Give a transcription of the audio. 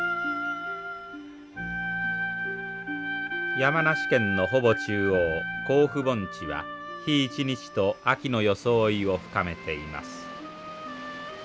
山梨県のほぼ中央甲府盆地は日一日と秋の装いを深めています。